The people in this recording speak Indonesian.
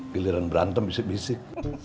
giliran berantem bisik bisik